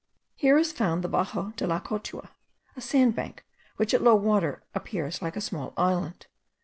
Here is found the Baxo de la Cotua, a sand bank, which at low water appears like a small island.